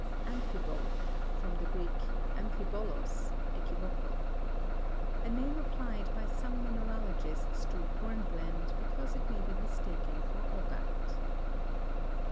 Am'phibole (from the Greek, amphibolos, equivocal). A name applied by some mineralogists to hornblende, because it may be mistaken for augite.